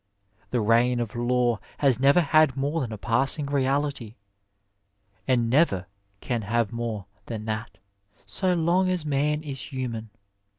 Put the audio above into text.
The reign of law has never had more than a passing reaUty, and never can have more than that so long as man is human.